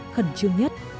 khẩn trương nhất